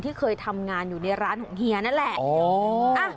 เคยทำงานอยู่ในร้านของเฮียนั่นแหละ